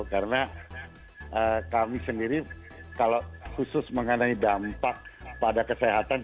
karena kami sendiri kalau khusus mengenai dampak pada kesehatan